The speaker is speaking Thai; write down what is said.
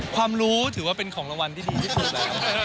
ความรู้ถือว่าเป็นของรางวัลที่ดีที่สุดแล้ว